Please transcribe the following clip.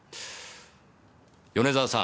米沢さん